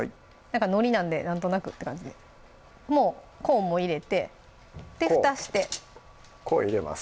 のりなんでなんとなくって感じでもうコーンも入れてでふたしてコーン入れます